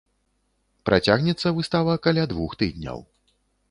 Працягнецца выстава каля двух тыдняў.